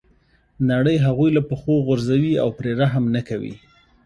نړۍ هغوی له پښو غورځوي او پرې رحم نه کوي.